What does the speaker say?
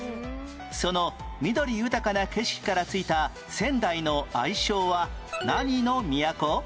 その緑豊かな景色から付いた仙台の愛称は何の都？